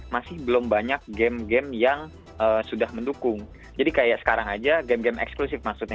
masih belum banyak game game yang sudah mendukung jadi kayak sekarang aja game game eksklusif maksudnya